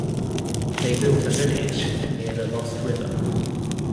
They built a village near the Lost River.